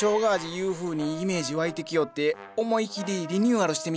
ゆうふうにイメージ湧いてきよって思い切りリニューアルしてみたんです。